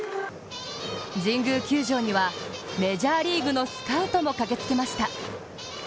神宮球場にはメジャーリーグのスカウトも駆けつけました。